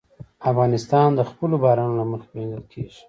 افغانستان د خپلو بارانونو له مخې پېژندل کېږي.